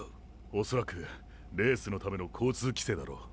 恐らくレースのための交通規制だろう。